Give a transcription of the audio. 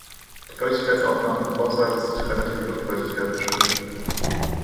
Die Feuchtigkeitsaufnahme von Kochsalz ist durch die relative Luftfeuchtigkeit bestimmt.